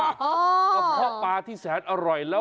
อ๋อกะเพาะปลาที่แสนอร่อยแล้ว